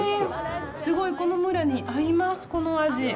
すごいこの村に合います、この味！